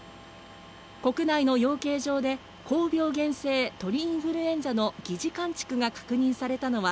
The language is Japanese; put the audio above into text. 国内の養鶏場で高病原性鳥インフルエンザの疑似患畜が確認されたのは